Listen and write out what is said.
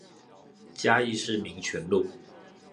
嘉義市民權路